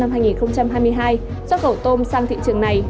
xuất khẩu tôm sang thị trường này